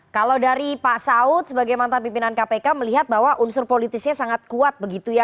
kalau dari pak saud sebagai mantan pimpinan kpk melihat bahwa unsur politisnya sangat kuat begitu ya